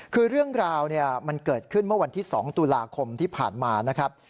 คือเรื่องราวมันเกิดขึ้นเมื่อวันที่๒ตุลาคมที่ผ่านมานะครับ